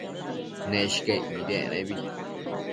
Neshcaic nidec nebi